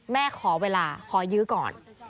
ขอเวลาขอยื้อก่อน